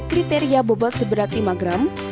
kriteria bobot seberat lima gram